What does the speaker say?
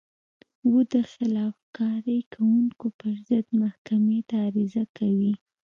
و د خلاف کارۍ کوونکو پر ضد محکمې ته عریضه کوي.